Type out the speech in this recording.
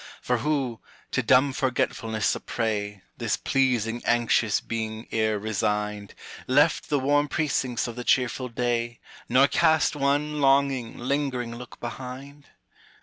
For who, to dumb forgetfulness a prey, This pleasing anxious being e'er resigned, Left the warm precincts of the cheerful day, Nor cast one longing lingering look behind?